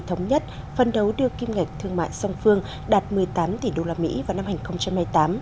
thống nhất phân đấu đưa kim ngạch thương mại song phương đạt một mươi tám tỷ usd vào năm hai nghìn một mươi tám